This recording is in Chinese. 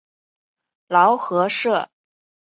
劳合社。